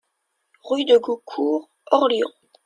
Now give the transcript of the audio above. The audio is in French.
Rue de Gaucourt, Orléans